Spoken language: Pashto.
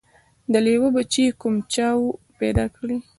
د لېوه بچی کوم چا وو پیدا کړی